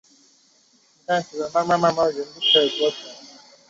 在机场找了一段时间